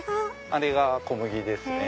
あれが小麦ですね。